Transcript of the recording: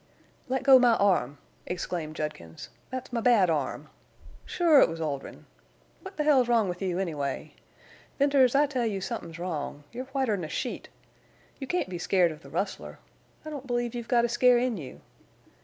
"Let go my arm!" exclaimed Judkins. "Thet's my bad arm. Sure it was Oldrin'. What the hell's wrong with you, anyway? Venters, I tell you somethin's wrong. You're whiter 'n a sheet. You can't be scared of the rustler. I don't believe you've got a scare in you.